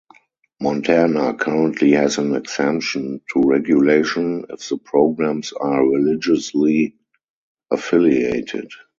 Montana currently has an exemption to regulation if the programs are religiously affiliated.